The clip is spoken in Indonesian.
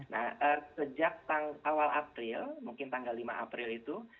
nah sejak awal april mungkin tanggal lima april itu